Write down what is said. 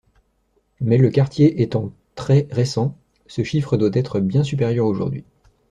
Mais le quartier étant très récent, ce chiffre doit être bien supérieur aujourd'hui.